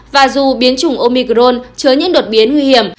và dù biến chủng omicron chứa những đột biến nguy hiểm